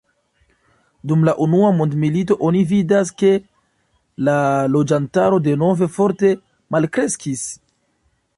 Dum la Unua Mondmilito oni vidas, ke la loĝantaro denove forte malkreskis.